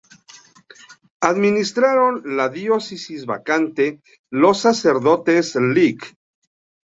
Administraron la diócesis vacante los sacerdotes Lic.